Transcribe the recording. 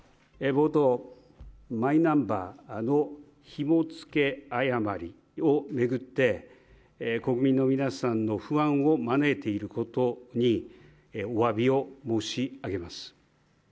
マイナンバーのひも付け誤りを巡って国民の皆さんの不安を招いていることについておわびを申し上げます。